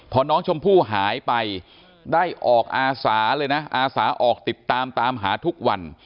พอน้องชมพู่หายไปได้ออกอาสาเลยนะอาสาออกติดตามตามหาทุกวัน